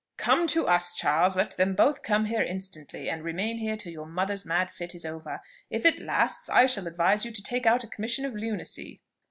"Come to us, Charles. Let them both come here instantly, and remain here till your mother's mad fit is over. If it lasts, I shall advise you to take out a commission of lunacy."